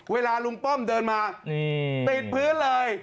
เวลาลุงป้อมเดินมาติดพื้นเลย